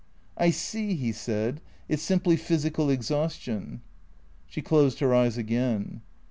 " I see," he said ;" it 's simply physical exhaustion." She closed her eyes again.